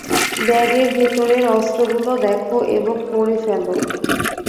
ব্যাগের ভেতরের অস্ত্রগুলো দেখ এবং পরে ফেলো।